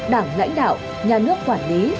đảng lãnh đạo nhà nước quản lý